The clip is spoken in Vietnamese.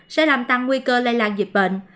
sẽ làm tăng nguy cơ lây lan dịch bệnh